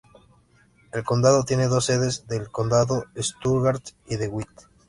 El condado tiene dos sedes de condado: Stuttgart y De Witt.